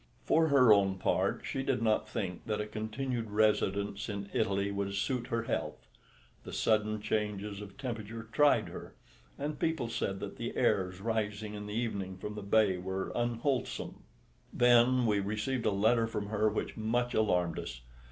For her own part, she did not think that a continued residence in Italy would suit her health; the sudden changes of temperature tried her, and people said that the airs rising in the evening from the bay were unwholesome. Then we received a letter from her which much alarmed us.